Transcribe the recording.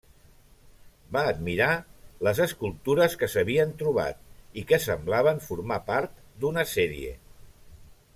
Va admirar les escultures que s'havien trobat i que semblaven formar part d'una sèrie.